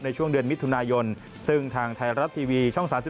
ในช่วงเดือนมิถุนายนซึ่งทางไทยรัฐทีวีช่อง๓๒